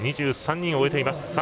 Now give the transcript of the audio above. ２３人終えています。